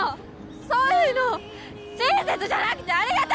そういうの親切じゃなくてありがた